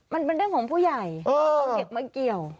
มันเป็นเรื่องของผู้ใหญ่เอาเด็กมาเกี่ยว